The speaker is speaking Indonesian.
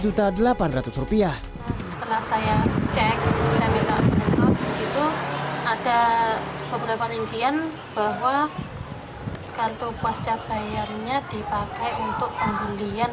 setelah saya cek saya melihat di laptop disitu ada beberapa incian bahwa kartu pasca bayarnya dipakai untuk pembelian